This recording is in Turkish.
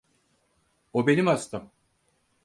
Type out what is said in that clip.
O benim hastam.